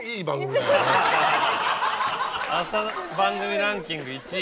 朝番組ランキング１位。